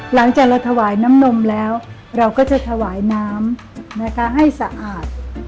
หลังจากเราถวายน้ำนมแล้วเราก็จะถวายน้ำนะคะให้สะอาด